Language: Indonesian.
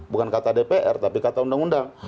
bukan kata dpr tapi kata undang undang